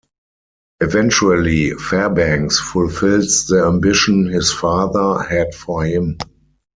Eventually, Fairbanks fulfills the ambition his father had for him.